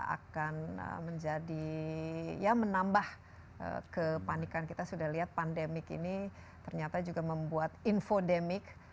akan menjadi ya menambah kepanikan kita sudah lihat pandemik ini ternyata juga membuat infodemik